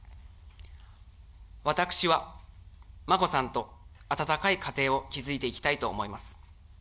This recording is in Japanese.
私は眞子さんと温かい家庭を築いていきたいと思います。